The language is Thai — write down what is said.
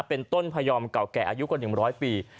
เป็นต้นพยอมเก่าแก่อายุกว่าหนึ่งร้อยปี